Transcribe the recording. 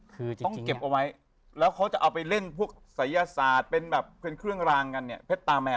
คือต้องเก็บเอาไว้แล้วเขาจะเอาไปเล่นพวกพูดสัยยาศาสตร์เป็นแบบ